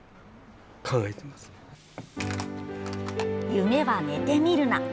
「夢は寝て見るな」。